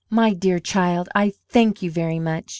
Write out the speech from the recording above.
"My dear child, I thank you very much!"